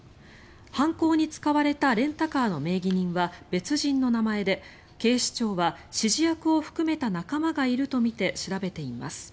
犯行に使われたレンタカーの名義人は別人の名前で警視庁は指示役を含めた仲間がいるとみて調べています。